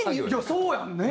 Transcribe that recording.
そうやんね！